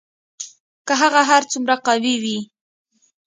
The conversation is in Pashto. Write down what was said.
که هغه هر څومره قوي وي